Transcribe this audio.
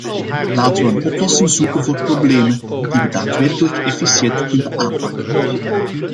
Laten we een oplossing zoeken voor problemen die we daadwerkelijk efficiënt kunnen aanpakken.